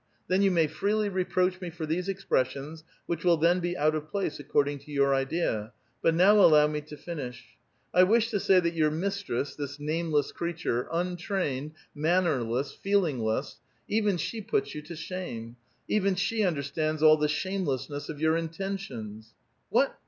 Then you may fnely re proach me for these expressions, which will then be out of place according to your idea; but now allow me to finish. I wish to sa\' that j^our mistress, this nameless creature, un trained, mannerless, feelingless — even she puts you to shame, even she understands all the shamelessness of your intentions —" "What?